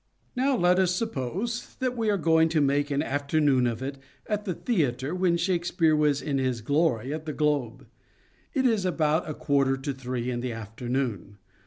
Now let us suppose that we are going to make an afternoon of it at the theatre when Shake speare was in his glory at The Globe. It is about a quarter to three in the afternoon.